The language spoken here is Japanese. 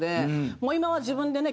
もう今は自分でね